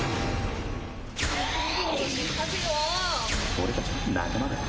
俺たち仲間だろ。